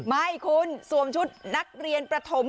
ไม่คุณสวมชุดนักเรียนประถม